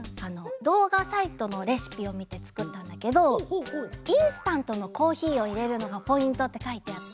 どうがサイトのレシピをみてつくったんだけど「インスタントのコーヒーをいれるのがポイント」ってかいてあって。